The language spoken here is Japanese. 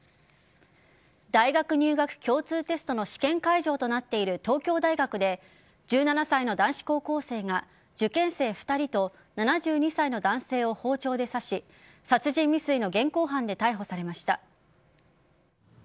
大学入学共通テストの試験会場となっている東京大学で１７歳の男子高校生が受験生２人と７２歳の男性を包丁で刺し殺人未遂の現行犯で逮捕されました。